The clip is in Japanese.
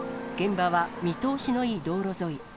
現場は見通しのいい道路沿い。